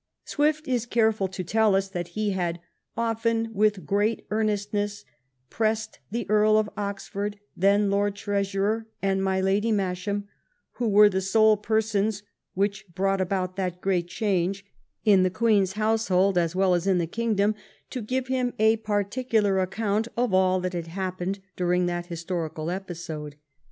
Swift is careful to tell us that he had " often with great earnestness pressed the Earl of Oxford, then Lord Treasurer, and my Lady Masham, who were the sole persons which brought about that great change " in the Queen's household as well as in the kingdom, to give him a particular account of all that had hap pened during that historical episode.